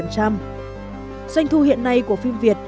doanh thu hiện nay của phim việt